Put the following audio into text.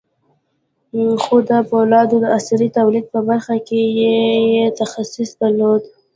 خو د پولادو د عصري توليد په برخه کې يې تخصص درلود.